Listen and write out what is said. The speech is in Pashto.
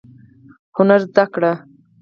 هنر زده کړئ